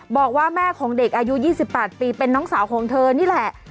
บอกว่าแม่ของเด็กอายุ๒๘ปีเป็นน้องสาวของเธอนี่แหละ